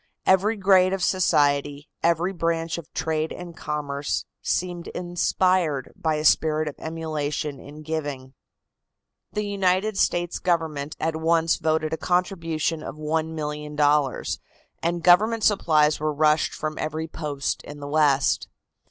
Every grade of society, every branch of trade and commerce seemed inspired by a spirit of emulation in giving. The United States Government at once voted a contribution of $1,000,000, and government supplies were rushed from every post in the West.